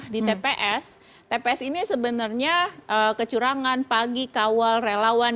di tps tps ini sebenarnya kecurangan pagi kawal relawan